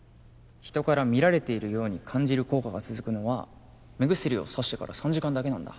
人から見られているように感じる効果が続くのは目薬をさしてから３時間だけなんだ。